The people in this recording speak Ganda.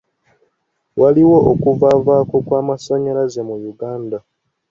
Waliwo okuvavaako kw'amasannyalaze mu Uganda.